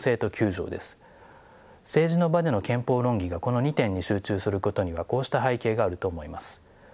政治の場での憲法論議がこの２点に集中することにはこうした背景があると思います。